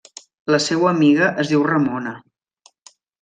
La seua amiga es diu Ramona.